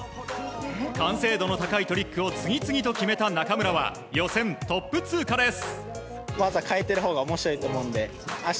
完成度の高いトリックを次々と決めた中村は予選トップ通過です。